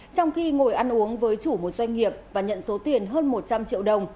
trong khi ngồi ăn uống với chủ một doanh nghiệp và nhận số tiền hơn một trăm linh triệu đồng